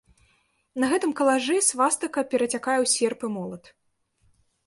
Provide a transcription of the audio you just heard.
На гэтым калажы свастыка перацякае ў серп і молат.